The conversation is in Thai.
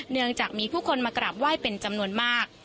เนื่องจากมีผู้คนมากราบไหว้เป็นจำนวนมาก